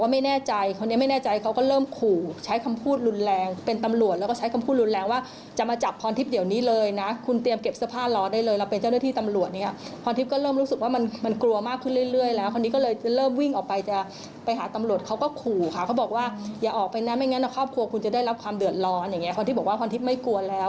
ไม่ได้รับความเดือดร้อนคนที่บอกว่าคนที่ไม่กลัวแล้ว